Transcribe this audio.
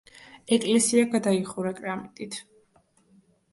ეკლესია გადაიხურა კრამიტით.